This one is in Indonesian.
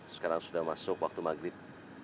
sekarang sudah masuk waktu maghrib